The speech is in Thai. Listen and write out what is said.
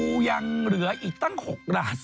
ก็ยังเหลืออีกตั้ง๖ลาทสิ